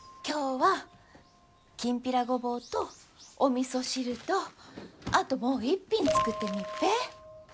今日はきんぴらごぼうとおみそ汁とあともう一品作ってみっぺ。